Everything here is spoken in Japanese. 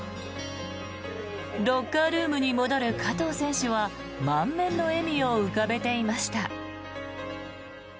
ロッカールームに戻る加藤選手は満面の笑みを浮かべていました。